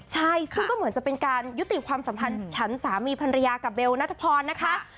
ใช่ซึ่งก็เหมือนจะเป็นการยุติความสัมพันธ์ฉันสามีภรรยากับเบลนัทพรนะคะ